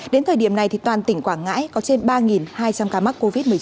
đến thời điểm này toàn tỉnh quảng ngãi có trên ba hai trăm linh ca mắc covid một mươi chín